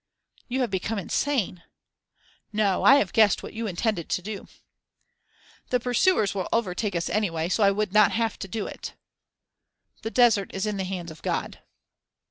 "You have become insane." "No. I have guessed what you intended to do." "The pursuers will overtake us anyway; so I would not have to do it." "The desert is in the hands of God."